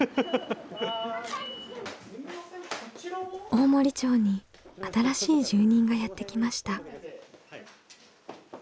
大森町に新しい住人がやって来ました。